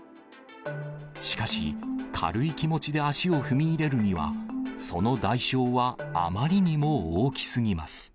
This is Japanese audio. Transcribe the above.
しかし、軽い気持ちで足を踏み入れるには、その代償はあまりにも大きすぎま